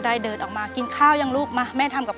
เปลี่ยนเพลงเพลงเก่งของคุณและข้ามผิดได้๑คำ